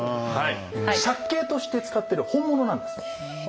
借景として使ってる本物なんです。